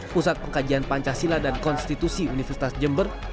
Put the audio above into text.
pusat pengkajian pancasila dan konstitusi universitas jember